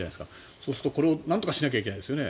そうするとこれをなんとかしなきゃいけないですよね。